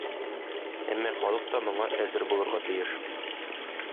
Әмма халык та моңа әзер булырга тиеш.